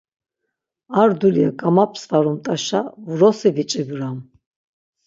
Ar dulya gamapsvarumt̆aşa, vrosi viç̌ibram.